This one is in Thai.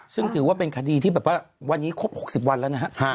ซึ่งถือว่าเป็นคดีที่แบบว่าวันนี้ครบ๖๐วันแล้วนะฮะ